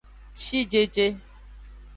Shijeje.